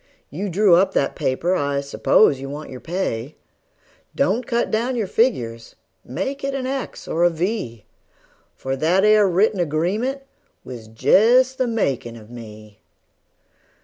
You drew up that paper I s'pose you want your pay. Don't cut down your figures; make it an X or a V; For that 'ere written agreement was just the makin' of me.